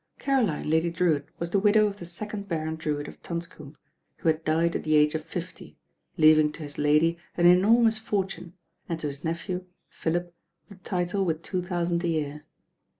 Caroline, Lady Drewitt, was the widow of the second Baron Drewitt of Tonscombe, who had died at the age of fifty, leaving to his lady an enormous fortune and to his nephew, Philip, the title with two thousand a year.